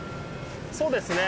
そうですね。